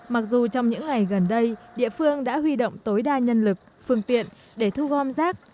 mặc dù trong những ngày gần đây địa phương đã huy động tối đa nhân lực phương tiện để thu gom rác